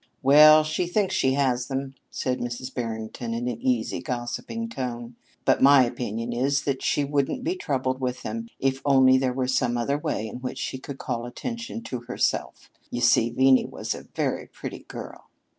"Well, she thinks she has them," said Mrs. Barrington in an easy, gossiping tone; "but my opinion is that she wouldn't be troubled with them if only there were some other way in which she could call attention to herself. You see, Venie was a very pretty girl."